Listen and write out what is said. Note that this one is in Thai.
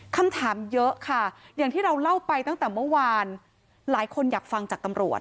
คำถามเยอะค่ะอย่างที่เราเล่าไปตั้งแต่เมื่อวานหลายคนอยากฟังจากตำรวจ